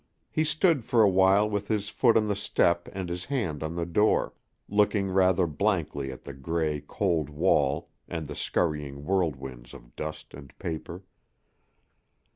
He stood for a while with his foot on the step and his hand on the door, looking rather blankly at the gray, cold wall and the scurrying whirlwinds of dust and paper.